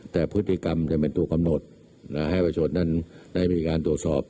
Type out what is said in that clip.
แต่พฤติกรรมจะเป็นตัวกำหนดให้ประชาชนนั้นได้มีการตรวจสอบ